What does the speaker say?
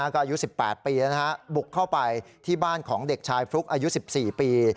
ก็อายุ๑๘ปีบุกเข้าไปที่บ้านของเด็กชายฟลุ๊กอายุ๑๔ปี